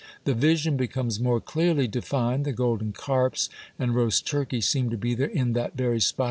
The vision becomes more clearly de fined, the golden carps and roast turkeys seem to be there, in that very spot